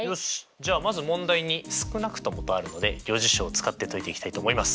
じゃあまず問題に「少なくとも」とあるので余事象を使って解いていきたいと思います。